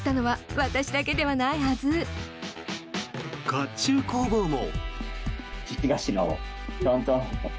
甲冑工房も。